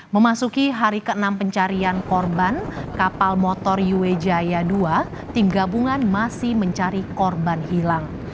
memasuki hari ke enam pencarian korban kapal motor wiwejaya dua tim gabungan masih mencari korban hilang